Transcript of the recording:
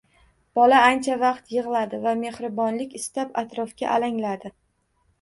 Bola ancha vaqt yig’ladi va mehribonlik istab, atrofga alangladi.